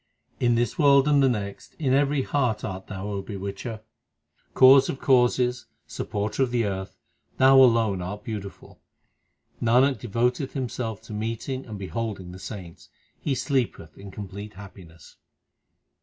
In this world and the next, in every heart art Thou, O Bewitcher. Cause of causes, Supporter of the earth, Thou alone art beautiful. Nanak devoteth himself to meeting and beholding the saints ; he sleepeth in complete happiness.